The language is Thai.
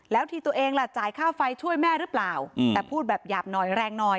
แล้วทีตัวเองล่ะจ่ายค่าไฟช่วยแม่หรือเปล่าแต่พูดแบบหยาบหน่อยแรงหน่อย